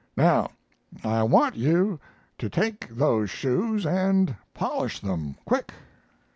Now I want you to take those shoes, and polish them, quick.